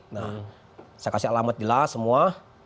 nah saya kasih alamat jelas semua